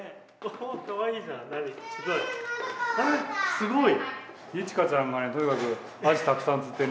すごい！